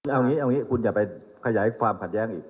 เอาอย่างนี้คุณอย่าไปขยายความขัดแย้งอีก